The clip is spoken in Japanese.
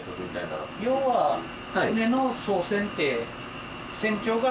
要は。